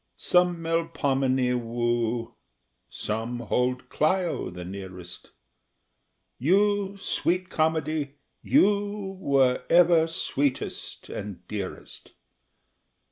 Some Melpomene woo, some hold Clio the nearest; You, sweet Comedy you were ever sweetest and dearest!